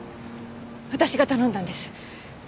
私が頼んだんです。